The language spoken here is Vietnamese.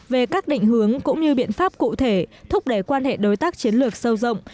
về các định hướng cũng như biện pháp cụ thể thúc đẩy quan hệ đối tác chiến lược sâu rộng